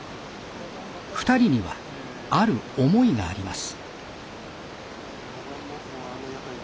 ２人にはある思いがあります。